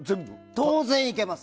当然いけます。